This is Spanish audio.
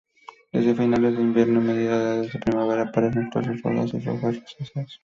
Desde finales de invierno a mediados de primavera aparecen flores rojas y rojas-rosáceas.